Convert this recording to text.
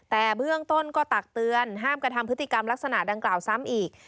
แต่เบื้องต้นก็ตักเตือนห้ามกระทำพฤติกรรมลักษณะดังกล่าวซ้ำอีก